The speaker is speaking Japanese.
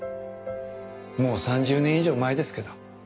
もう３０年以上前ですけど。